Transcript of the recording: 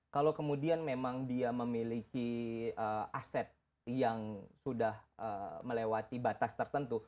kalau kemudian memang dia memiliki aset yang sudah melewati batas tertentu